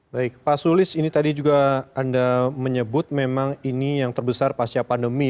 baik pak sulis ini tadi juga anda menyebut memang ini yang terbesar pasca pandemi